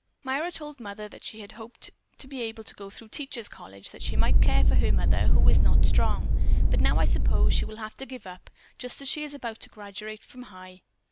Myra told Mother that she had hoped to be able to go through Teachers' College that she might care for her mother, who is not strong. But now I suppose she will have to give up, just as she is about to graduate from High."